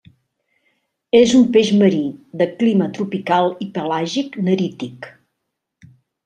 És un peix marí, de clima tropical i pelàgic-nerític.